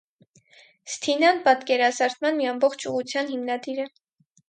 Սթինան պատկերազարդման մի ամբողջ ուղղության հիմնադիր է։